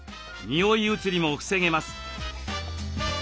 匂い移りも防げます。